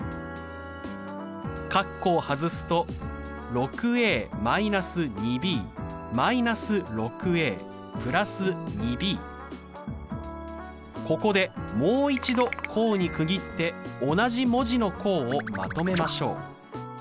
括弧を外すとここでもう一度項に区切って同じ文字の項をまとめましょう。